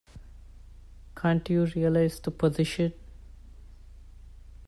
Can't you realize the position?